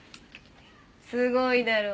すごいだろ。